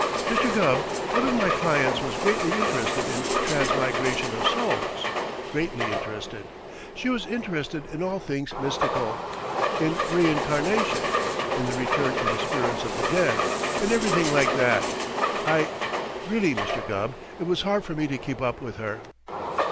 Mr. Gubb, one of my clients was greatly interested in transmigration of souls greatly interested. She was interested in all things mystical in reincarnation; in the return of the spirits of the dead; in everything like that. I really, Mr. Gubb, it was hard for me to keep up with her."